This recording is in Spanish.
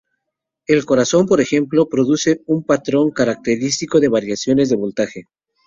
El corazón, por ejemplo, produce un patrón característico de variaciones de voltaje.